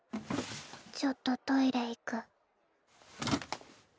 ちょっとトイレ行く。